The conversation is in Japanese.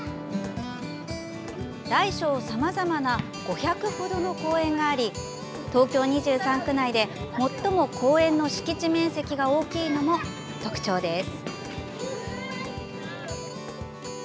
大小さまざまな５００程の公園があり東京２３区内で最も公園の敷地面積が大きいのも特徴です。